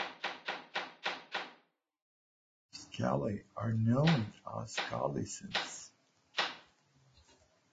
Inhabitants of Saclay are known as "Saclaysiens".